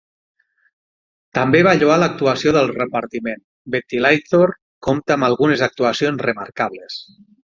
També va lloar l'actuació del repartiment: "Ventilator" compta amb algunes actuacions remarcables.